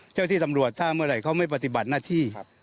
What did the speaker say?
เจ้าที่ตำรวจถ้าเมื่อไหร่เขาไม่ปฏิบัติหน้าที่